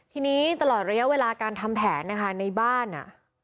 ทีนี้ตลอดระยะเวลาการทำแผนนะคะในบ้าน